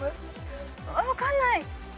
わかんない。